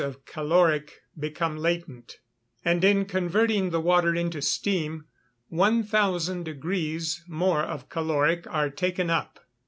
of caloric become latent; and in converting the water into steam, 1,000 deg. more of caloric are be taken up.